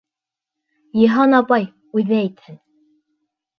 Йыһан апай, үҙе әйтһен.